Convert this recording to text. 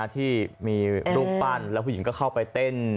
ที่มีรูปปั้นแล้วผู้หญิงก็เข้าไปเต้น